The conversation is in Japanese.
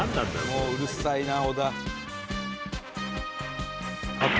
もううるさいな小田。